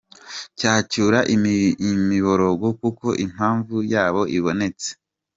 Cyacura imiborogo kuko impamvu yaba ibonetse.